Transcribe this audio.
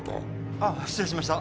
ああ失礼しました。